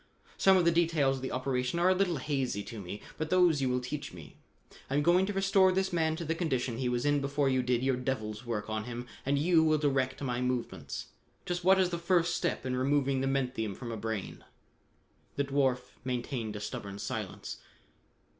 Some of the details of the operation are a little hazy to me, but those you will teach me. I am going to restore this man to the condition he was in before you did your devil's work on him and you will direct my movements. Just what is the first step in removing the menthium from a brain?" The dwarf maintained a stubborn silence.